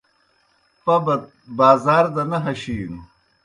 پَبَت بازار دہ نہ ہشِینوْ۔